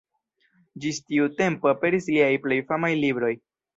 Ĝis tiu tempo aperis liaj plej famaj libroj.